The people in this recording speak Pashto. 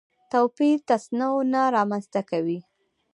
توپیر تصنع نه رامنځته کوي.